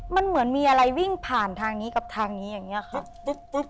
มันเหมือนมีอะไรวิ่งผ่านทางนี้กับทางนี้อย่างนี้ครับ